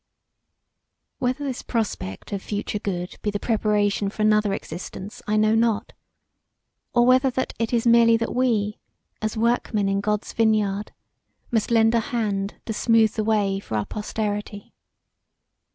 Whether this prospect of future good be the preparation for another existence I know not; or whether that it is merely that we, as workmen in God's vineyard, must lend a hand to smooth the way for our posterity.